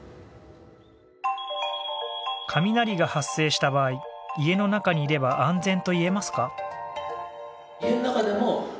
雷が発生した場合家の中にいれば安全といえますか？